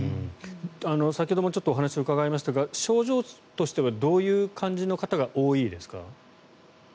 先ほどもちょっとお話を伺いましたが症状としてはどういう感じの方が多いですか？